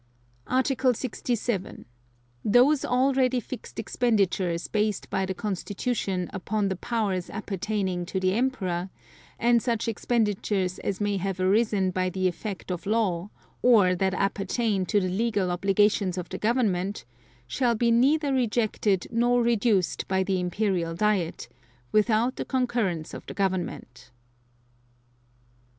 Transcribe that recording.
Article 67. Those already fixed expenditures based by the Constitution upon the powers appertaining to the Emperor, and such expenditures as may have arisen by the effect of law, or that appertain to the legal obligations of the Government, shall be neither rejected nor reduced by the Imperial Diet, without the concurrence of the Government.